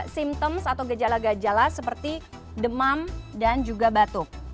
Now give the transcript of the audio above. simptoms atau gejala gejala seperti demam dan juga batuk